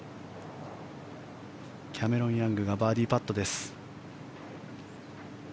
キャメロン・ヤングがバーディーパットです。